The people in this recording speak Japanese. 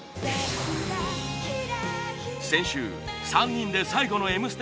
先週３人で最後の『Ｍステ』